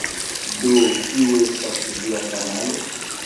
Do kiu estas via kanalo?